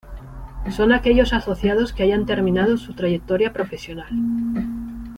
Son aquellos asociados que hayan terminado su trayectoria profesional.